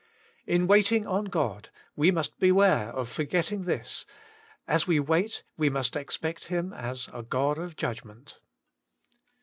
In waiting on God, we must beware of forgetting this : as we wait we must expect Him as a God of judgment.